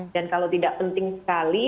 dan kalau tidak penting sekali